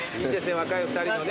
若い２人のね。